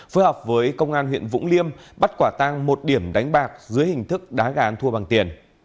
phối hợp với công an huyện vũng liêm bắt quả tàng một điểm đánh bạc dưới hình thức đá gán thua bằng tiền